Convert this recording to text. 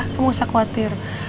kamu jangan khawatir